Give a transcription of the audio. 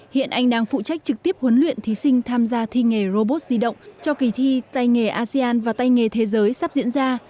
hiện anh đang phụ trách trực tiếp huấn luyện thí sinh tham gia thi nghề robot di động cho kỳ thi tay nghề asean và tay nghề thế giới sắp diễn ra